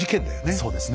そうですね。